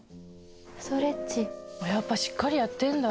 やっぱしっかりやってんだ。